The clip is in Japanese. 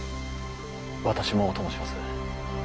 私もお供します。